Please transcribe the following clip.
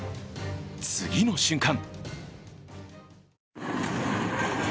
次の瞬間